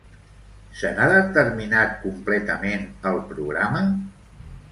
Se n'ha determinat completament el programa?